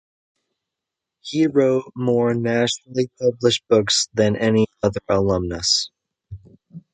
He wrote more nationally-published books than any other alumnus.